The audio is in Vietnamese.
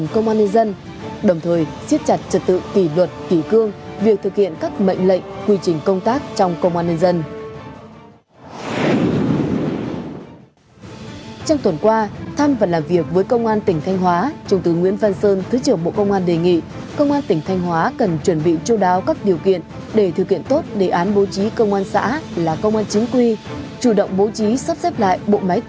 cũng trong tuần qua phát biểu tại hội nghị công tác tuyên truyền về một số lĩnh vực công an trung tướng nguyễn văn sơn thứ trưởng bộ công an đề nghị các cơ quan của bộ công an đề nghị các cơ quan của bộ công an